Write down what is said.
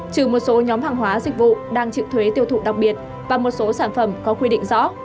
trừ một số nhóm hàng hóa dịch vụ đang chịu thuế tiêu thụ đặc biệt và một số sản phẩm có quy định rõ